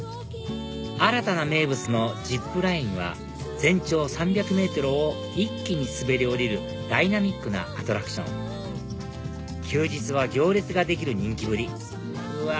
新たな名物のジップラインは全長３００ｍを一気に滑り降りるダイナミックなアトラクション休日は行列ができる人気ぶりうわ